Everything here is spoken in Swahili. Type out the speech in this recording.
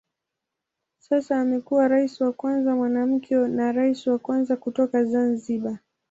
Sasa amekuwa rais wa kwanza mwanamke na rais wa kwanza kutoka Zanzibar.